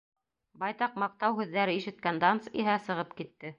Байтаҡ маҡтау һүҙҙәре ишеткән Данс иһә сығып китте.